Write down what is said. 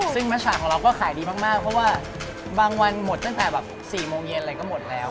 ซึ่งมัชชาของเราก็ขายดีมากเพราะว่าบางวันหมดตั้งแต่แบบ๔โมงเย็นอะไรก็หมดแล้ว